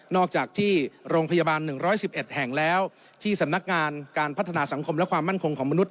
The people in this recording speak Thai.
อกจากที่โรงพยาบาล๑๑๑แห่งแล้วที่สำนักงานการพัฒนาสังคมและความมั่นคงของมนุษ